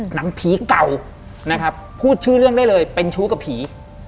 หนังผีเก่านะครับพูดชื่อเรื่องได้เลยเป็นชู้กับผี